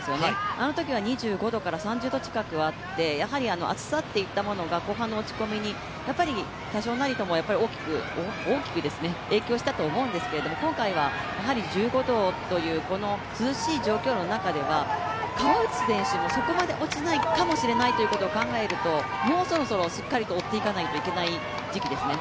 あのときは２５度から３０度近くあってやはり暑さといったものが後半の落ち込みに大きく影響したと思うんですけど、今回は１５度という涼しい状況の中では川内選手もそこまで落ちないかもしれないということを考えると、もうそろそろしっかり追っていかないといけない時期ですね。